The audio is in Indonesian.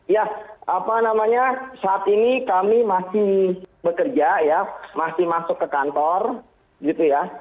ya apa namanya saat ini kami masih bekerja ya masih masuk ke kantor gitu ya